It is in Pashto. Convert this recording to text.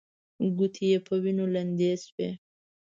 ګوتې يې په وينو لندې شوې.